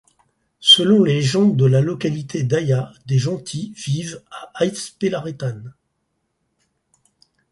Selon les légendes de la localité d'Aia, des Jentils vivent à Aitzpelarretan.